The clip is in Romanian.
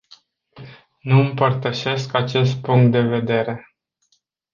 Nu împărtășesc acest punct de vedere.